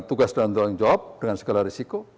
tugas dan tanggung jawab dengan segala risiko